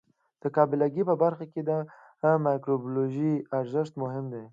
د قابله ګۍ په برخه کې د مایکروبیولوژي ارزښت مهم دی.